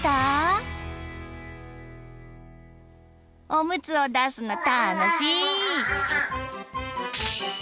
おむつを出すの楽しい。